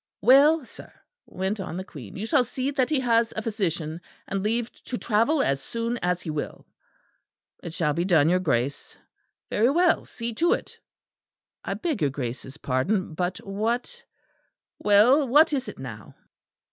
"Well, sir," went on the Queen, "you shall see that he has a physician, and leave to travel as soon as he will." "It shall be done, your Grace." "Very well, see to it." "I beg your Grace's pardon; but what " "Well, what is it now?"